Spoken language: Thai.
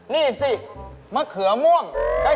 นี่สิมะเขือม่วง